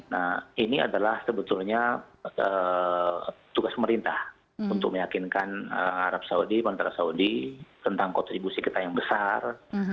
nah ini adalah sebetulnya tugas pemerintah untuk meyakinkan arab saudi kontra saudi tentang kontribusi kita yang besar